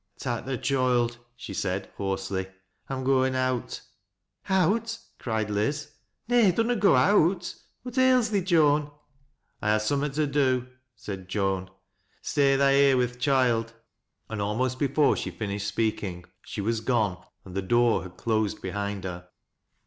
" Tak' th' choild," she said, hoarsely. " I'm goin' oat.' "Out!" cried Liz. "Nay, duanot go out. What hIIi thee, Joan ?" LTINO IN WAIT. IQ j " 1 ha' summat to do," said Joan. " Staj tha here with th' choild." And almost before she finished speaking she was gone, and the door had closed behind her.